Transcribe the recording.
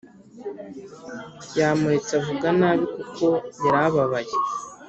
yamuretse avuga nabi kuko yarababaye